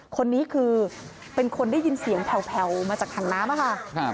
คนนี้คือเป็นคนได้ยินเสียงแผ่วมาจากถังน้ำค่ะ